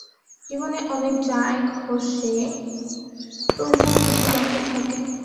জীবনে অনেক যায় খসে, তবুও কিছু বাকি থাকে।